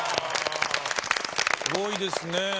すごいですね。